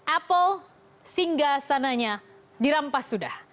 apple singgah sananya dirampas sudah